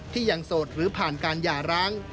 ที่ยังโสดหรือผ่านการหย่าร้าง